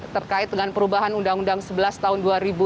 terkait dengan perubahan undang undang sebelas tahun dua ribu dua